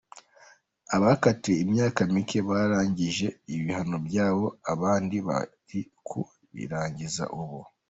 Abakatiwe imyaka mike barangije ibihano byabo abandi bari ku birangiza ubu.